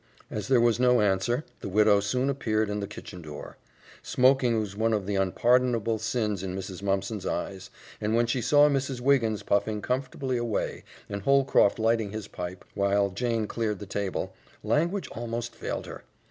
As there was no answer, the widow soon appeared in the kitchen door. Smoking was one of the unpardonable sins in Mrs. Mumpson's eyes; and when she saw Mrs. Wiggins puffing comfortably away and Holcroft lighting his pipe, while Jane cleared the table, language almost failed her.